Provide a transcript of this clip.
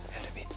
ya udah bi